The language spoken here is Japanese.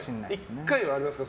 １回はありますか？